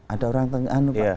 ada orang tengah tengah pak